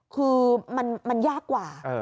คือมันยากกว่า